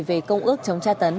về công ước chống tra tấn